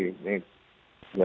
ini mengingat kesalahan